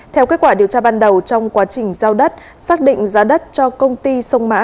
theo kết quả điều tra ban đầu trong quá trình giao đất xác định giá đất cho công ty sông mã